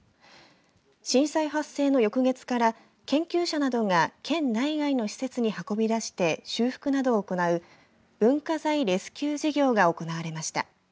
震災発生の翌月から研究者などが県内外の施設に運び出して修復などを行う文化財レスキュー事業が行われました。